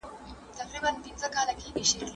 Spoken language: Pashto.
یو وخت راغی چي شته من پرېووت رنځور سو